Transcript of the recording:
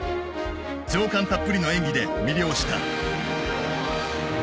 情感たっぷりの演技で魅了した。